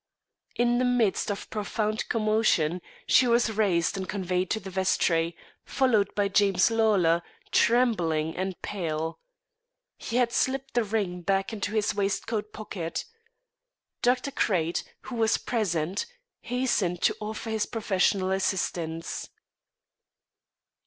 In the midst of profound commotion, she was raised and conveyed to the vestry, followed by James Lawlor, trembling and pale. He had slipped the ring back into his waistcoat pocket. Dr. Crate, who was present, hastened to offer his professional assistance.